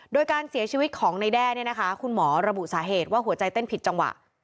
โดยการเสียชีวิตของในแด้เนี่ยนะคะคุณหมอระบุสาเหตุว่าหัวใจเต้นผิดจังหวะ